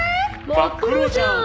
「真っ黒じゃん！」